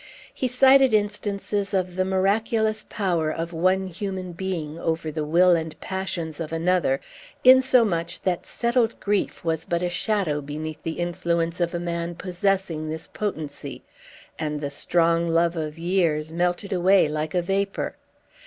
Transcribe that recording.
He cited instances of the miraculous power of one human being over the will and passions of another; insomuch that settled grief was but a shadow beneath the influence of a man possessing this potency, and the strong love of years melted away like a vapor.